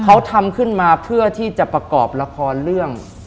เขาทำขึ้นมาเพื่อที่จะประกอบละครเรื่อง